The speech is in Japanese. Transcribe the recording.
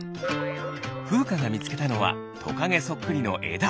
ふうかがみつけたのはトカゲそっくりのえだ。